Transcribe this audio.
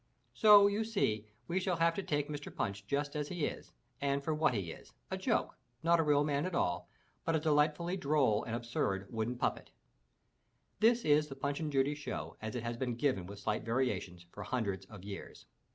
So you see we shall have to take Mr. Punch just as he is and for what he is— a joke, not a real man at all, but a delight fully droll and absurd wooden puppet. This is the Punch and Judy show as it has been given with slight variations for hundreds of years.